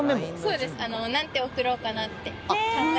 そうです。なんて送ろうかなって考えて。